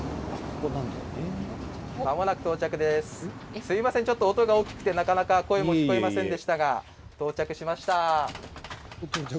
すみません、ちょっと音が大きくてなかなか声が聞こえませんでしたが到着しました。